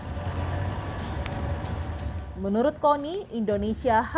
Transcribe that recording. menurut kony indonesia harus mampu memainkan kepentingan negara negara